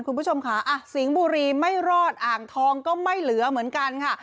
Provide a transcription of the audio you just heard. คุณผู้ชมค่ะสิงห์บุรีไม่รอดอ่างทองก็ไม่เหลือเหมือนกันค่ะ